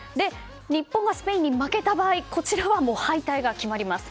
日本がスペインに負けた場合は敗退が決まります。